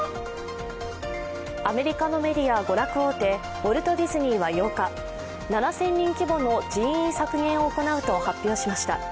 アメリカのメディア・娯楽大手ウォルト・ディズニーは８日７０００人規模の人員削減を行うと発表しました。